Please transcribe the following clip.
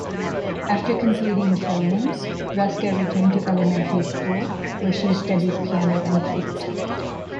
After completing filming, Rosca returned to elementary school, where she studied piano and flute.